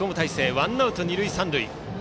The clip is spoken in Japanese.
ワンアウト二塁三塁。